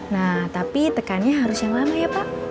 nah tapi tekannya harus yang lama ya pak